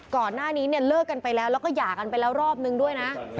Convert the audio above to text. ก่อนหน้านี้เนี่ยเลิกกันไปแล้วแล้วก็หย่ากันไปแล้วรอบนึงด้วยนะ